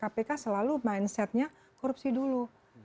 karena selalu mindsetnya korupsi dulu